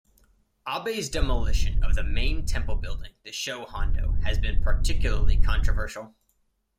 Abe's demolition of the main temple building, the Sho Hondo, has been particularly controversial.